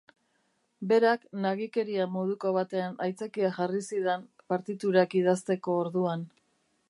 Berak nagikeria moduko baten aitzakia jarri zidan, partiturak idazteko orduan.